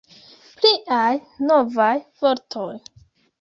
Pliaj novaj vortoj!